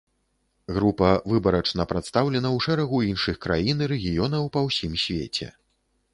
Група выбарачна прадстаўлена ў шэрагу іншых краін і рэгіёнаў па ўсім свеце.